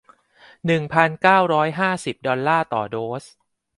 หนึ่งพันเก้าร้อยห้าสิบ ดอลลาร์ต่อโดส